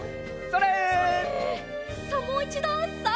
それ！